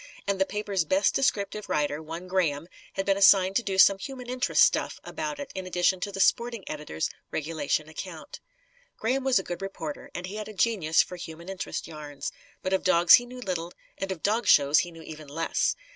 And the paper's best descriptive writer, one Graham, had been assigned to do some "human interest stuff" about it, in addition to the sporting editor's regulation account. Graham was a good reporter, and he had a genius for human interest yarns. But of dogs he knew little, and of dog shows he knew even less.